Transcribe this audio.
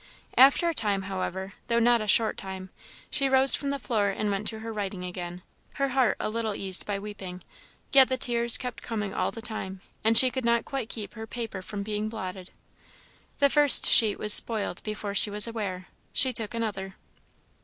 After a time, however, though not a short time, she rose from the floor and went to her writing again her heart a little eased by weeping, yet the tears kept coming all the time, and she could not quite keep her paper from being blotted. The first sheet was spoiled before she was aware; she took another.